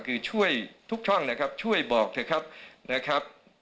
คือช่วยทุกช่องนะครับช่วยบอกเถอะครับนะครับ